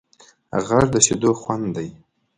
غږ د شیدو خوند دی